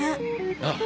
ああ。